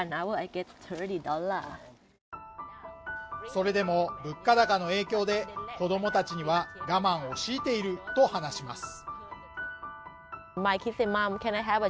それでも物価高の影響で子供たちには我慢を強いていると話します